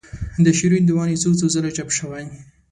د شعرونو دیوان یې څو څو ځله چاپ شوی.